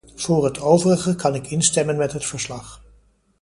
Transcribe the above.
Voor het overige kan ik instemmen met het verslag.